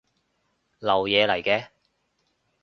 流嘢嚟嘅